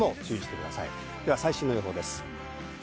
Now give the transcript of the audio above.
最新の予報です。